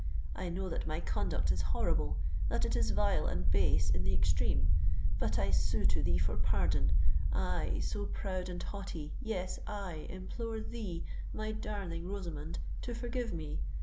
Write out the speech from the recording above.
I know that my conduct is horrible—that it is vile and base in the extreme;—but I sue to thee for pardon,—I, so proud and haughty—yes, I implore thee, my darling Rosamond, to forgive me!